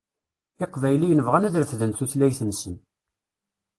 Iqbayliyen bɣan ad refden tutlayt-nsen.